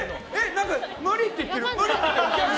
何か無理って言ってる。